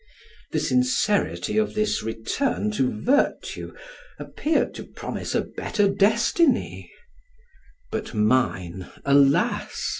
The sincerity of this return to virtue appeared to promise a better destiny; but mine, alas!